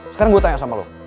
sekarang gue tanya sama lo